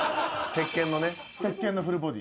鉄拳のフルボディ。